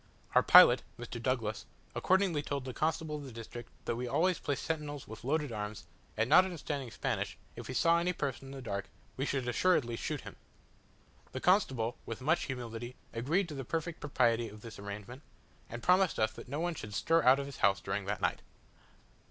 Our pilot, Mr. Douglas, accordingly told the constable of the district that we always placed sentinels with loaded arms and not understanding Spanish, if we saw any person in the dark, we should assuredly shoot him. The constable, with much humility, agreed to the perfect propriety of this arrangement, and promised us that no one should stir out of his house during that night.